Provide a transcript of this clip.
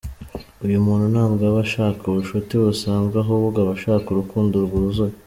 Uyu muntu ntabwo aba ashaka ubushuti busanzwe ahubwo aba ashaka urukundo rwuzuye.